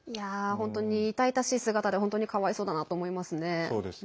本当に痛々しい姿で本当にかわいそうだなと思います。